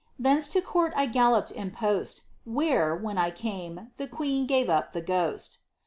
Thence to the court I gal lopped in post, Where, when I camef the jqueeu gave up the ghost.